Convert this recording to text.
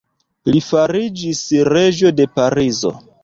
Li fariĝis reĝo de Parizo.